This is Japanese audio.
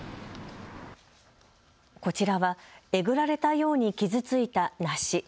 こちらはえぐられたように傷ついた梨。